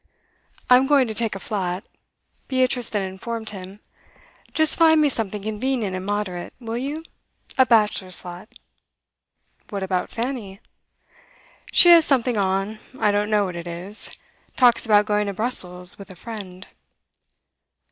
'I'm going to take a flat,' Beatrice then informed him. 'Just find me something convenient and moderate, will you? A bachelor's flat.' 'What about Fanny?' 'She has something on; I don't know what it is. Talks about going to Brussels with a friend.